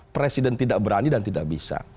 presiden tidak berani dan tidak bisa